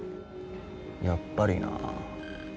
「やっぱりな」